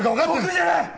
僕じゃない！